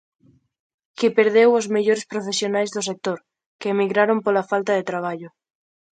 Que perdeu os mellores profesionais do sector, que emigraron pola falta de traballo.